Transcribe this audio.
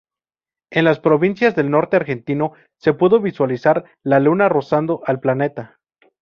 En las provincias del norte argentino, se pudo visualizar la Luna rozando al planeta.